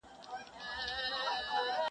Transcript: ځمکه هم لکه خاموشه شاهده د هر څه پاتې کيږي-